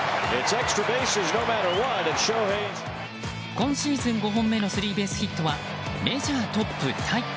今シーズン５本目のスリーベースヒットはメジャートップタイ。